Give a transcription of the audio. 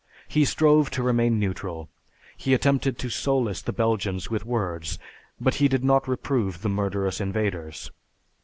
He strove to remain neutral. He attempted to solace the Belgians with words, but he did not reprove the murderous invaders.